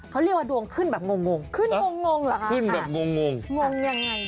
เขาเรียกว่าดวงขึ้นแบบงงงขึ้นงงงเหรอคะขึ้นแบบงงงงงยังไง